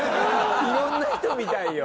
色んな人見たいよ。